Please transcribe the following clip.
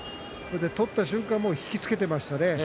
取った瞬間引き付けていましたね。